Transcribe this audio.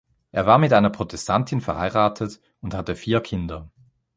Er war mit einer Protestantin verheiratet und hatte vier Kinder.